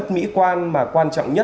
thì theo nhiều người nông dân chia sẻ